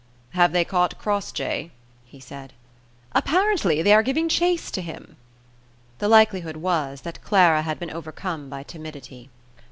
"Have they caught Crossjay?" he said. "Apparently they are giving chase to him." The likelihood was, that Clara had been overcome by timidity.